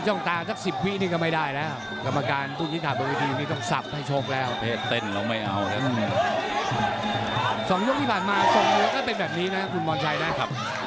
สองยกที่ผ่านมาส่งแล้วก็เป็นแบบนี้นะคุณพรชัยนะครับ